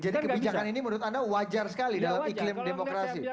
jadi kebijakan ini menurut anda wajar sekali dalam iklim demokrasi